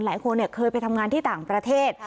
หลายคนเคยไปทำงานที่ต่างประเทศ